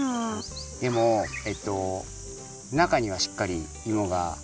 でもなかにはしっかりいもが。